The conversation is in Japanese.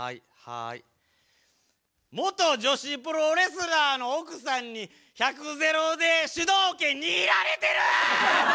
元女子プロレスラーの奥さんに百・ゼロで主導権握られてる！